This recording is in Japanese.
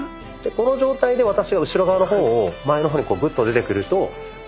この状態で私が後ろ側の方を前の方にグッと出てくると。